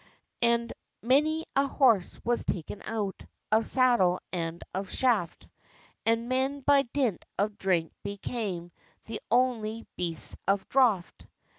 And many a horse was taken out Of saddle, and of shaft; And men, by dint of drink, became The only "beasts of draught."